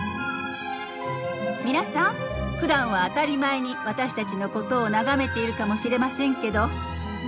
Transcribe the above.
皆さんふだんは当たり前に私たちのことを眺めているかもしれませんけど。